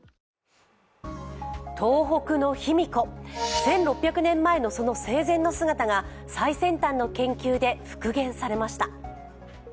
東北の卑弥呼、１６００年前のその生前の姿が最先端の研究で復元されました。